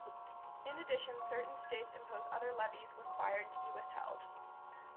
In addition, certain states impose other levies required to be withheld.